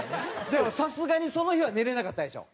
でもさすがにその日は寝れなかったでしょ？